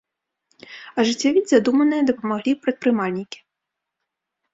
Ажыццявіць задуманае дапамаглі прадпрымальнікі.